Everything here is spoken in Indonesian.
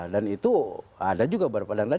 dan itu ada juga berapa dan lain